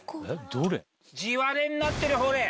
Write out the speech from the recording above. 地割れになってるほれ。